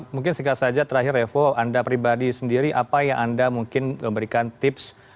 mungkin singkat saja terakhir revo anda pribadi sendiri apa yang anda mungkin memberikan tips